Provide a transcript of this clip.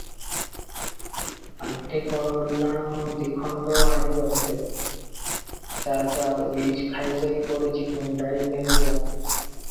ପାଣ୍ଠି ପଲାଣ ଦିଖଣ୍ଡ ଆଣିଥିଲେ; ଯା, ଯା, ଉଇ ଖାଇଯାଇ ପଡ଼ିଛି ମୁଣ୍ଡାଇ ଘେନି ଯା ।